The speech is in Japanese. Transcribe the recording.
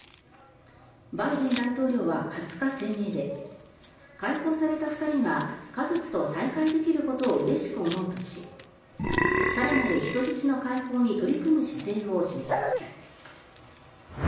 バイデン大統領は２０日、声明で解放された２人が家族と再会できることをうれしく思うとし更なる人質の解放に取り組む姿勢を示しました。